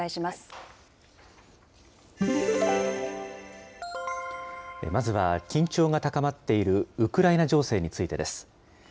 まずは緊張が高まっているウクライナ情勢についてです。